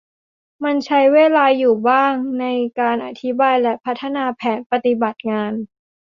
มันใช้เวลาอยู่บ้างในการอธิบายและพัฒนาแผนปฏิบัติงาน